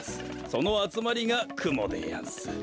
そのあつまりがくもでやんす。